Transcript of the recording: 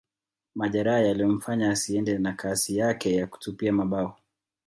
Majeraha yaliyomfanya asiende na kasi yake ya kutupia mabao